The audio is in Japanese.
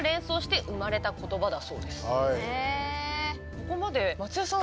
ここまで松也さん